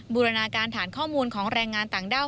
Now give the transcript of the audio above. บูรณาการฐานข้อมูลของแรงงานต่างด้าว